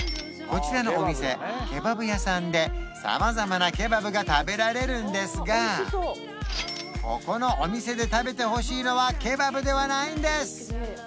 こちらのお店ケバブ屋さんで様々なケバブが食べられるんですがここのお店で食べてほしいのはケバブではないんです